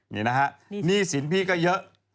นี่นะฮะหนี้สินพี่ก็เยอะ